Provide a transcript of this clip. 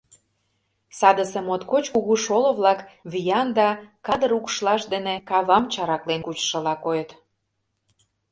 Садысе моткоч кугу шоло-влак виян да кадыр укшлашт дене кавам чараклен кучышыла койыт.